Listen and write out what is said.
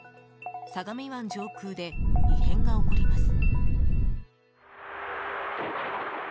相模湾上空で異変が起こります。